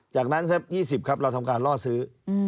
จากนั้นสัก๒๐ครับเราทำการล่อซื้อ